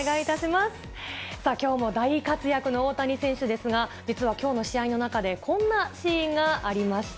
きょうも大活躍の大谷選手ですが、実はきょうの試合の中で、こんなシーンがありました。